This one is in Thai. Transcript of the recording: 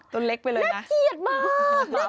ตุนเล็กไปเลยนะมาพ่อน่าเกลียดมาก